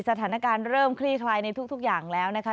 สถานการณ์เริ่มคลี่คลายในทุกอย่างแล้วนะคะ